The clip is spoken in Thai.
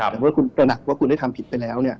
แต่เมื่อคุณตระหนักว่าคุณได้ทำผิดไปแล้ว